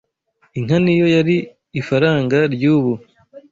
Inka niyo yari ifaranga ry,ubu